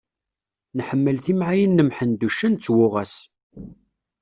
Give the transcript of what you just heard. Nḥemmel timɛayin n Mḥend uccen, d twuɣa-s.